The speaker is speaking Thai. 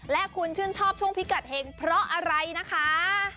และคุณชื่นชอบช่วงพิกัดเห็งเพราะอะไรนะคะ